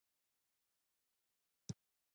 څومره یې حکومت ته لار وکړه.